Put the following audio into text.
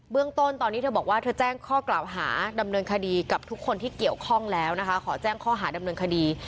เรื่องต้นตอนนี้เธอบอกว่าเธอแจ้งข้อกล่าวหาดำเนินคดีกับทุกคนที่เกี่ยวข้องแล้วนะคะขอแจ้งข้อหาดำเนินคดี